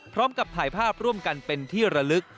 พร้อมกับถ่ายภาพร่วมกันเป็นที่ระลึก